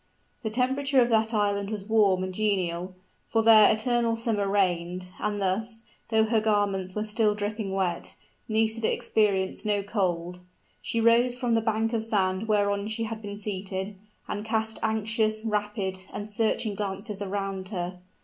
The temperature of that island was warm and genial, for there eternal summer reigned, and thus, though her garments were still dripping wet, Nisida experienced no cold. She rose from the bank of sand whereon she had been seated, and cast anxious, rapid, and searching glances around her.